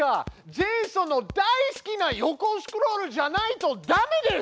ジェイソンの大好きな横スクロールじゃないとダメです！